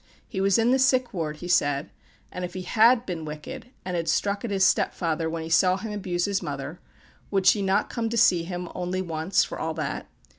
He was in the sick ward, he said, and if he had been wicked, and had struck at his step father when he saw him abuse his mother, would she not come to see him, only once, for all that?